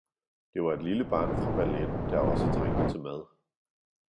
Det var et lille barn fra balletten, der også trængte til mad.